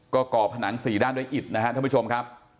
ก็ก่อผนังสี่ด้านด้วยอิดนะครับท่านผู้ชมครับ